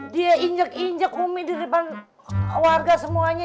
dia injek injek bumi di depan warga semuanya